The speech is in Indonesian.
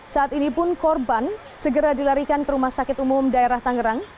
saat ini pun korban segera dilarikan ke rumah sakit umum daerah tangerang